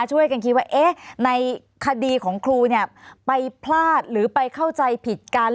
ช่วยกันคิดว่าเอ๊ะในคดีของครูเนี่ยไปพลาดหรือไปเข้าใจผิดกัน